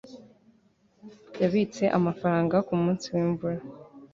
yabitse amafaranga kumunsi wimvura